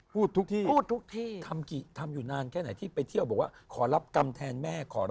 พูดทุกที่ธรรมตาอย่างเยอะขอรับกำแทนแม่